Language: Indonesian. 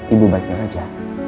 ibu baik baik aja